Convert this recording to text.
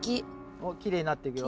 おっきれいになっていくよ。